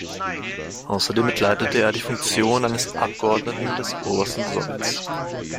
Außerdem bekleidete er die Funktion eines Abgeordneten des Obersten Sowjets.